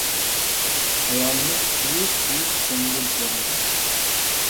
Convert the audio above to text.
Ayolimiz kuyib-kuyib ko‘ngil so‘radi.